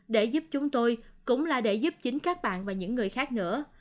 để giúp chúng tôi cũng là để giúp chính các bạn và những người khác nữa